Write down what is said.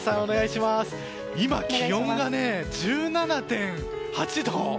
今、気温が１７．８度。